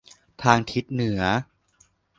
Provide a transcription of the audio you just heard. ทางทิศเหนือ